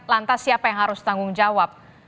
lantas siapa yang harus tanggung jawab